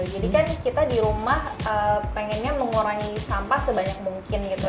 jadi kan kita di rumah pengennya mengurangi sampah sebanyak mungkin gitu